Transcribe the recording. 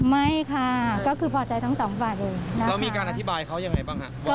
ไม่ค่ะก็คือพอใจทั้งสองฝ่ายเลยแล้วมีการอธิบายเขายังไงบ้างฮะ